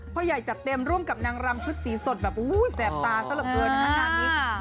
พ่อใหญ่จัดเต็มร่วมกับนางรำชุดสีสดแบบแสบตาสลบเกิน